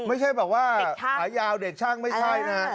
ไม่ใช่แบบว่าขายาวเด็กช่างไม่ใช่นะ